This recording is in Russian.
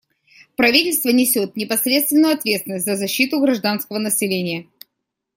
Правительство несет непосредственную ответственность за защиту гражданского населения.